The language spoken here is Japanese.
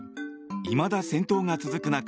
いまだ戦闘が続く中